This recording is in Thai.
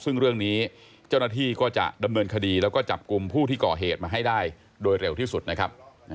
ซึ่งเรื่องนี้เจ้าหน้าที่ก็จะดำเนินคดีแล้วก็จับกลุ่มผู้ที่ก่อเหตุมาให้ได้โดยเร็วที่สุดนะครับ